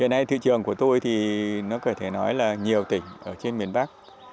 hiện nay thị trường của tôi thì nó có thể nói là nhiều tỉnh ở trên miền bắc